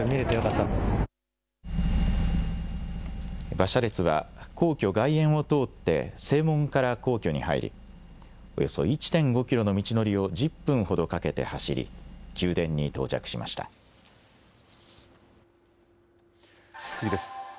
馬車列は皇居・外苑を通って正門から皇居に入り、およそ１．５キロの道のりを１０分ほどかけて走り、宮殿に到着し次です。